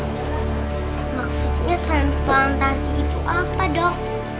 maksudnya transplantasi itu apa dok